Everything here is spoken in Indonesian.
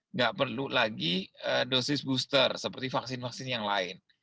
nggak perlu lagi dosis booster seperti vaksin vaksin yang lain